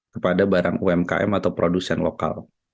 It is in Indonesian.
kepada barang umkm atau produsen lokal